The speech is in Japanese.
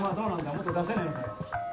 もっと出せねえのかよ。